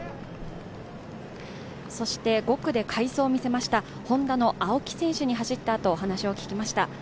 ５区で快走を見せましたＨｏｎｄａの青木選手に走ったあと話を聞きました。